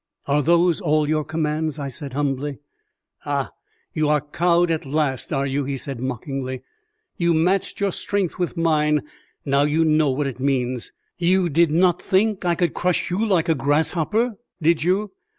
"Are those all your commands?" I said humbly. "Ah! you are cowed at last, are you?" he said mockingly. "You matched your strength with mine; now you know what it means. You did not think I could crush you like a grasshopper, did you?